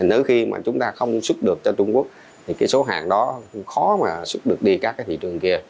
nếu mà chúng ta không xuất được cho trung quốc thì số hàng đó khó mà xuất được đi các thị trường kia